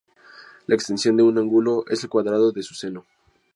La "extensión" de un ángulo es el cuadrado de su seno.